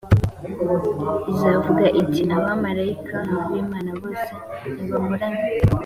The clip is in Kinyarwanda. izavuga iti abamarayika b imana bose nibamuramye